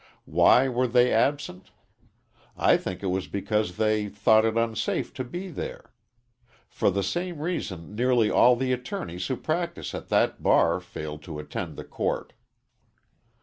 Why were they absent? I think it was because they thought it unsafe to be there. For the same reason nearly all the attorneys who practice at that bar failed to attend the court.